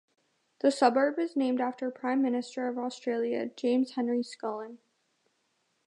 The suburb is named after Prime Minister of Australia James Henry Scullin.